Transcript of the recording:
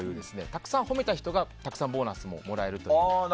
たくさん褒めた人がたくさんボーナスももらえるという。